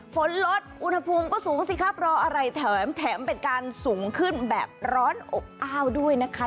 ฝนลดอุณหภูมิก็สูงสิครับรออะไรแถมแถมเป็นการสูงขึ้นแบบร้อนอบอ้าวด้วยนะคะ